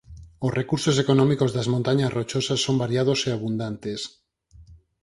Os recursos económicos das Montañas Rochosas son variados e abundantes.